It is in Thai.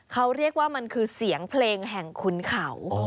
เขาเรียกว่ามันคือเสียงเพลงแห่งขุนเขา